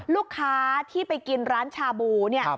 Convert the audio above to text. ลูกค้าที่ไปกินร้านชาบูเนี่ย